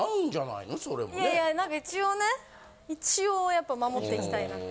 いやいや何か一応ね一応やっぱ守っていきたいなって。